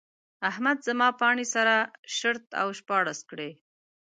احمد زما پاڼې سره شرت او شپاړس کړې.